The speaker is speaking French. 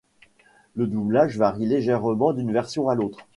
Le doublage varie légèrement d'une version à l'autre.